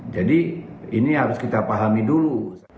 jadi ini harus kita pahami dulu